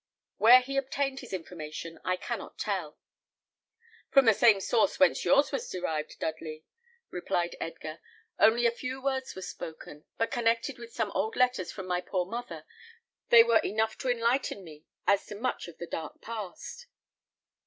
Where he obtained his information I cannot tell." "From the same source whence yours was derived, Dudley," replied Edgar. "Only a few words were spoken; but connected with some old letters from my poor mother, they were enough to enlighten me as to much of the dark past."